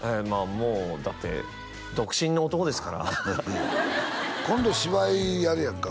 もうだって独身の男ですから今度芝居やるやんか？